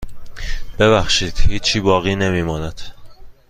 ببخشید هیچی باقی نمانده.